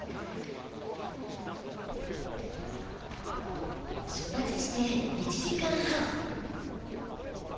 出発して１時間半。